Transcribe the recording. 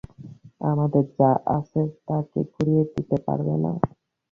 আমাদের যা আছে তাকে গুঁড়িয়ে দিতে পারবে না।